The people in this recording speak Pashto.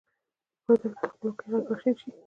پر دښتونو د خپلواکۍ ږغ را شین شي